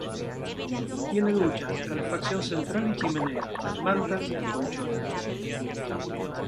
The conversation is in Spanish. Tiene duchas, calefacción central y chimenea, mantas y colchones.